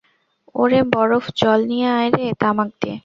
ওরে বরফ-জল নিয়ে আয় রে, তামাক দে!